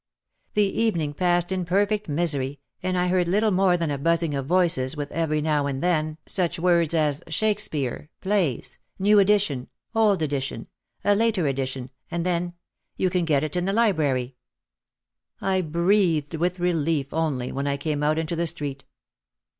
The evening passed in perfect misery and I heard little more than a buzzing of voices with every now and then 252 OUT OF THE SHADOW such words as "Shakespeare," "plays," "new edition," "old edition," "a later edition," and then, "You can get it in the library." I breathed with relief only when I came out into the street.